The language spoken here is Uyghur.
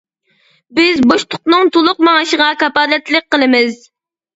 بىز بوشلۇقنىڭ تولۇق مېڭىشىغا كاپالەتلىك قىلىمىز.